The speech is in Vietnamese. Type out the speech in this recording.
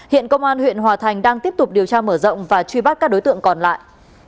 hiện công an huyện hòa thành đang tiếp tục điều tra mở rộng và truy bắt các đối tượng còn lại